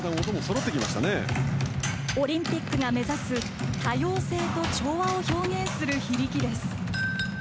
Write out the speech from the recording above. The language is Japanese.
オリンピックが目指す多様性と調和を表現する響きです。